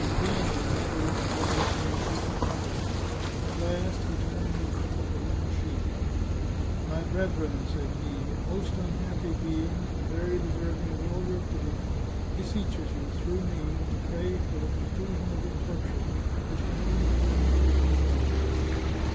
Vainly he strove to bring out one or two sentences. At last he turned and took up a written sheet. " My brethren," said he, " a most unhappy being, and very deserving of all your pity, beseeches you, through me, to pray for the conclusion of his torture, which can only end with his own life."